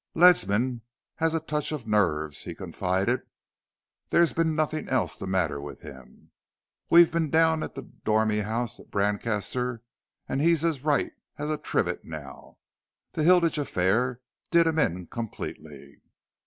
"Ledsam's had a touch of nerves," he confided. "There's been nothing else the matter with him. We've been down at the Dormy House at Brancaster and he's as right as a trivet now. That Hilditch affair did him in completely."